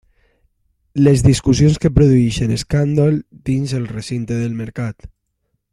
Les discussions que produeixen escàndol, dins el recinte del mercat.